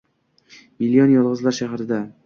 Million yolg’izlar shahrida